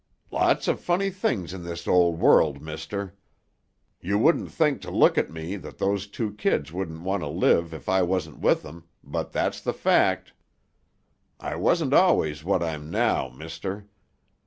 "Lots of funny things in this ol' world, mister. You wouldn't think to look at me that those two kids wouldn't want to live if I wasn't with 'em, but that's the fact. I wasn't always what I'm now, mister.